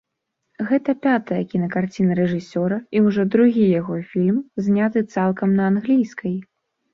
Гэта пятая кінакарціна рэжысёра і ўжо другі яго фільм, зняты цалкам на англійскай.